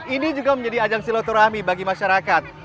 ini juga menjadi ajang silaturahmi bagi masyarakat